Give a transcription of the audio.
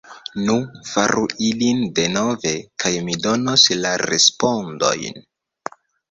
Nu, faru ilin denove kaj mi donos la respondojn.